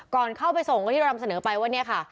ก่อนเข้าไปส่งก็ที่เรานำเสนอไปว่าเนี่ยค่ะ